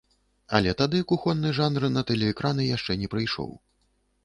Але тады кухонны жанр на тэлеэкраны яшчэ не прыйшоў.